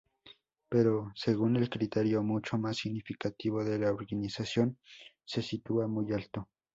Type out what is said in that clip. Pero según el criterio, mucho más significativo, de la organización, se sitúa muy alto.